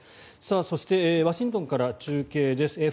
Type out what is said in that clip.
そしてワシントンから中継です。